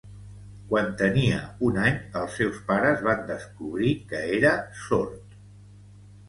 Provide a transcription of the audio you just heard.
Quan tenia un any, els seus pares van descobrir que era sord.